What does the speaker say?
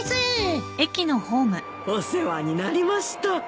お世話になりました。